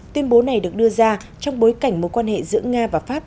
tuyên bố này được đưa ra trong bối cảnh mối quan hệ giữa nga và pháp